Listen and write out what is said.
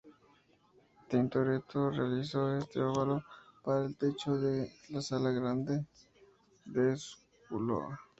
Tintoretto realizó este óvalo para el techo de la Sala Grande de la Scuola.